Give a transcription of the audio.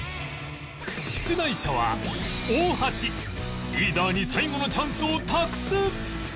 出題者はリーダーに最後のチャンスを託す！